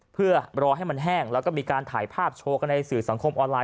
เพื่อรอให้มันแห้งแล้วก็มีการถ่ายภาพโชว์กันในสื่อสังคมออนไลน